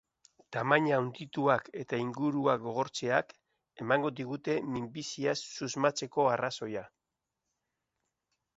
Tamaina handituak eta ingurua gogortzeak emango digute minbiziaz susmatzeko arrazoia.